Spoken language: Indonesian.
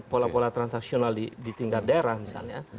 pola pola transaksional di tingkat daerah misalnya